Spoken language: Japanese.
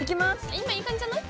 今いい感じじゃない？